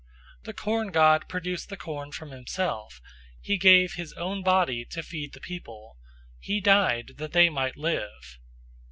The corn god produced the corn from himself: he gave his own body to feed the people: he died that they might live.